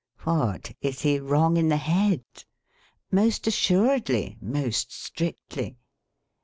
What, is he 'wrong in the head'? Most assuredly, most strictly.